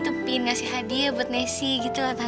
ji disarankan nyembi di rumah